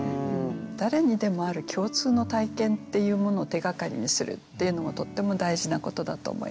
誰にでもある共通の体験っていうものを手がかりにするっていうのもとっても大事なことだと思います。